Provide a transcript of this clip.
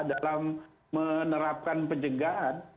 dalam menerapkan pencegahan